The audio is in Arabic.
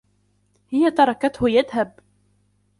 هي تركتهُ يذهب.